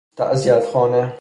تعزیت خانه